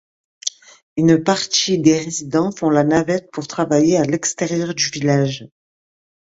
Une partie des résidents font la navette pour travailler à l'extérieur du village.